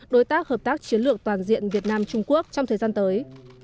đối tác hợp tác chiến lược toàn diện việt nam trung quốc trong thời gian tới